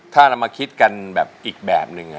ถ้าเรามาคิดกันแบบอีกแบบนึง